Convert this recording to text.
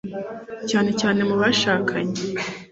cyane cyane mu bashakanye